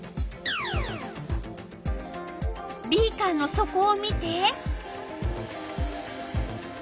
ビーカーのそこを見て。